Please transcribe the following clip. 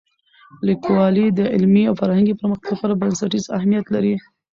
لیکوالی د علمي او فرهنګي پرمختګ لپاره بنسټیز اهمیت لري.